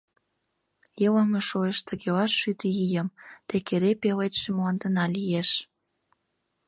Илыме шуэш тыгела Шӱдӧ ийым, Тек эре пеледше Мландына лиеш.